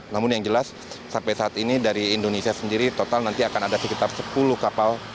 namun yang jelas sampai saat ini dari indonesia sendiri total nanti akan ada sekitar sepuluh kapal